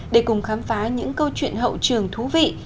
để cùng khám phá những câu chuyện hậu trường thú vị